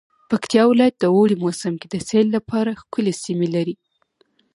پکتيا ولايت د اوړی موسم کی د سیل لپاره ښکلی سیمې لری